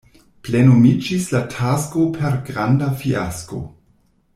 Plenumiĝis la tasko per granda fiasko.